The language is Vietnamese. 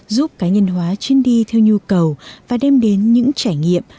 giúp cá nhân hóa chuyên đi theo nhu cầu và đem đến những trải nghiệm